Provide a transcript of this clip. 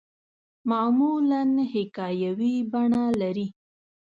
معمولاً حکایوي بڼه لري.